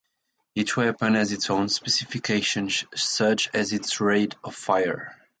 Each weapon has its own specifications such as its rate of fire.